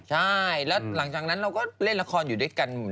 ใช่แล้วหลังจากนั้นเราก็เล่นละครอยู่ด้วยกัน